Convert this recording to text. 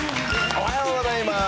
おはようございます。